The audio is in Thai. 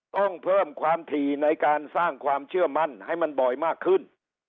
เพิ่มความถี่ในการสร้างความเชื่อมั่นให้มันบ่อยมากขึ้น